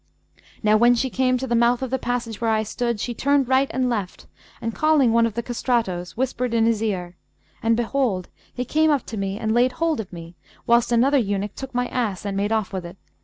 Now when she came to the mouth of the passage where I stood, she turned right and left and, calling one of the Castratos, whispered in his ear; and behold, he came up to me and laid hold of me, whilst another eunuch took my ass and made off with it.